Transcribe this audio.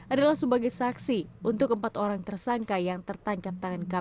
adalah sebagai saksi untuk empat orang tersangka yang tertangkap tangan kpk